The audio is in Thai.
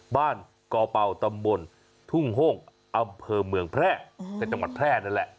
กอเป่าตำบลทุ่งโห้งอำเภอเมืองแพร่ในจังหวัดแพร่นั่นแหละ